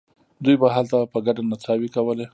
دوی به هلته په ګډه نڅاوې کولې.